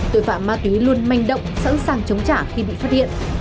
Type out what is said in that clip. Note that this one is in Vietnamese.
tội phạm ma túy luôn manh động sẵn sàng chống trả khi bị phát hiện